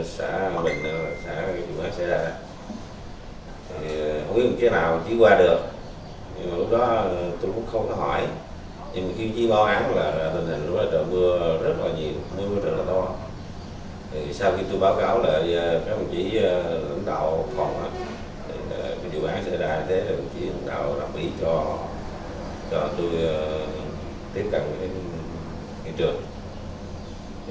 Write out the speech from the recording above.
sau khi tôi báo cáo phép đồng chí lãnh đạo phòng điều bán xảy ra đồng chí lãnh đạo đặc biệt cho tôi tiếp cận với thị trường